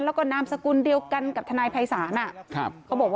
แล้วก็นามสกุลเดียวกันกับทนายภัยศาล